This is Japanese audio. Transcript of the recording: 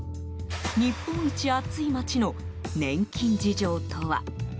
日本一暑い街の年金事情とは？